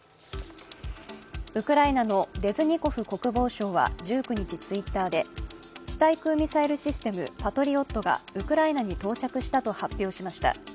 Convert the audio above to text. ウクライナのレズニコフ国防相は１９日、Ｔｗｉｔｔｅｒで地対空ミサイルシステム・パトリオットがウクライナに到着したと発表しました。